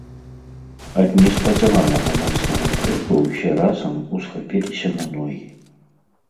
Ад неспадзяванага моцнага крыку ўсе разам усхапіліся на ногі.